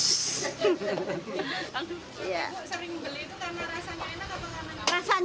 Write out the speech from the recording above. bu sering beli itu karena rasanya enak apa enak